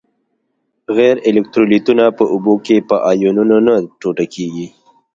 غیر الکترولیتونه په اوبو کې په آیونونو نه ټوټه کیږي.